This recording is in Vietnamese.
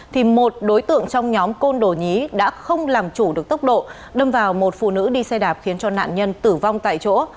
thì một đối tượng trong nhóm côn đồ nhí đã không làm chủ được tốc độ đâm vào một phụ nữ đi xe đạp khiến cho nạn nhân tử vong tại chỗ